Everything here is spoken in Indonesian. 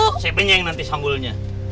saya penyeng nanti sambulnya